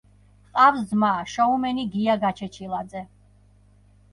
ჰყავს ძმა, შოუმენი გია გაჩეჩილაძე.